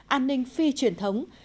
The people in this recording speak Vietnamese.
an ninh phi truyền thống